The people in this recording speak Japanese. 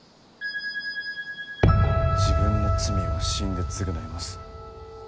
「自分の罪は死んでつぐないます」。